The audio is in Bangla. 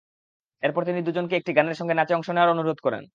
এরপর তিনি দুজনকে একটি গানের সঙ্গে নাচে অংশ নেওয়ার অনুরোধ করেন।